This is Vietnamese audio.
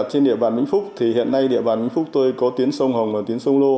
trên địa bàn bình phúc thì hiện nay địa bàn bình phúc tôi có tiến sông hồng và tiến sông lô